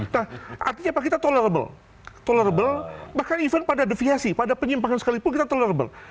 nah artinya apa kita tolerable tolerable bahkan even pada deviasi pada penyimpanan sekalipun kita tolerable